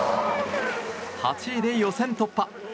８位で予選突破。